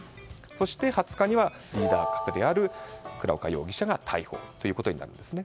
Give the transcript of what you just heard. そして２０日リーダー格である倉岡容疑者が逮捕となります。